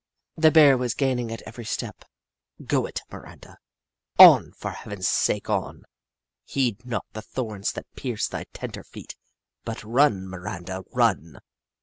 The Bear was gaining at every step. Go it, Miranda ! On, for Heaven's sake on ! Heed not the thorns that pierce thy tender feet, but run, Miranda, run